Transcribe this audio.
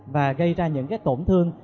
và gây ra những cái tổn thương